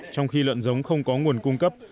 trong khi lợn giống không có nguồn cung cấp